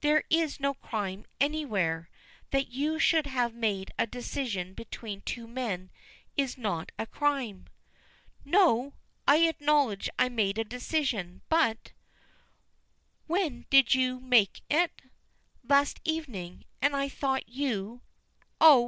"There is no crime anywhere. That you should have made a decision between two men is not a crime." "No! I acknowledge I made a decision but " "When did you make it?" "Last evening and though you " "Oh!